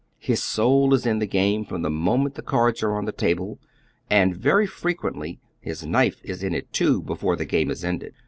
53 His soul is ill the game from the moment the cards are ou the table, aud very fi'equeutly his knife is in it too before tlie game is ended.